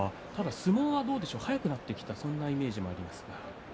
相撲が早くなってきたそんなイメージがありますが。